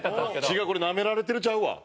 違うこれナメられてるんちゃうわ。